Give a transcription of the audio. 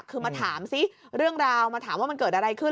คือมาถามซิเรื่องราวมาถามว่ามันเกิดอะไรขึ้น